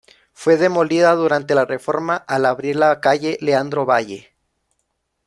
Fue demolida durante la reforma al abrir la calle Leandro Valle.